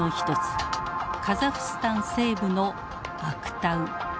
カザフスタン西部のアクタウ。